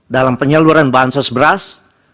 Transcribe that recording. dalam penyaluran bansos beras